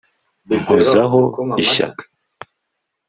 mpozaho ishyaka